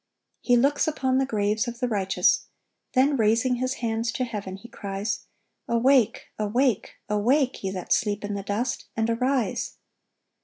He looks upon the graves of the righteous, then raising His hands to heaven He cries, "Awake, awake, awake, ye that sleep in the dust, and arise!"